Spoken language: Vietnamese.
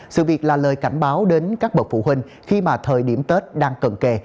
sự việc là lời cảnh báo đến các bậc phụ huynh khi mà thời điểm tết đang cận kề